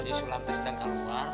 di sulam teh sedang keluar